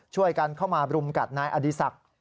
ช่วยกันเข้ามาบรุมกัดนายอดีศักดิ์